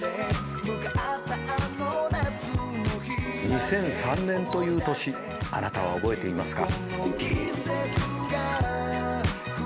２００３年という年あなたは覚えていますか？